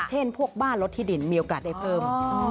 เช่นพวกบ้านรถที่ดินมีโอกาสได้เพิ่ม